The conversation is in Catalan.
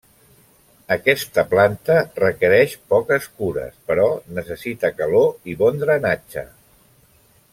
Aquesta planta requereix poques cures, però necessita calor i bon drenatge.